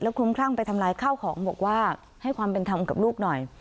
แล้วคลุมคร่างไปทำรายข้าวของบอกว่าให้ความเป็นทำกับลูกหน่อย